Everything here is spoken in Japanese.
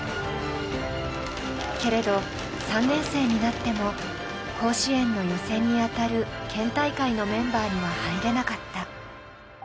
けれど３年生になっても甲子園の予選に当たる県大会のメンバーには入れなかった。